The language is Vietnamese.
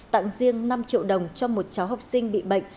tặng riêng năm triệu đồng cho một cháu học sinh bị bệnh